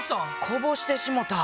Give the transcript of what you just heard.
こぼしてしもた。